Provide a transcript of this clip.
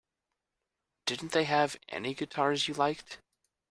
Didn't they have any guitars you liked?